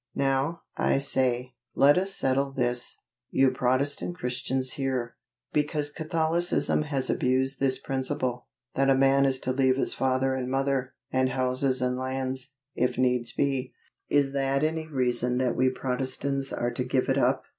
Now, I say, let us settle this, you Protestant Christians here. Because Catholicism has abused this principle, that a man is to leave his father and mother, and houses and lands, if needs be, is that any reason that we Protestants are to give it up?